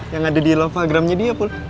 yang ada di lovagramnya dia pun